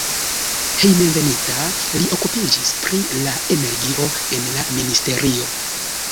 Hejmenveninta li okupiĝis pri la energio en la ministerio.